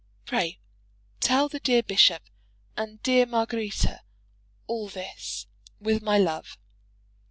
Pray tell the dear bishop and dear Margaretta all this, with my love.